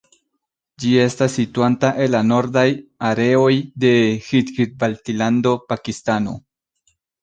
Ĝi estas situanta en la Nordaj Areoj de Gilgit-Baltilando, Pakistano.